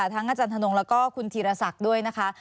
แล้วก็คุณธีรศักดิ์ด้วยนะคะ